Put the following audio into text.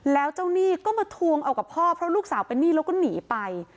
แล้วเจ้าหนี้ก็มาทวงเอากับพ่อเพราะลูกสาวเป็นหนี้แล้วก็หนีไป